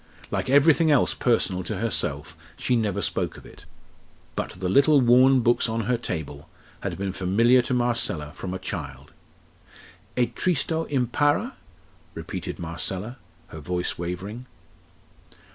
Like everything else personal to herself she never spoke of it; but the little worn books on her table had been familiar to Marcella from a child. "E tristo impara?" repeated Marcella, her voice wavering.